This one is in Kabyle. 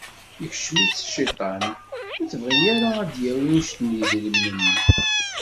Ikcem-itt cciṭan, ur tebɣi ara ad yawwi anect n yedrimen-nni.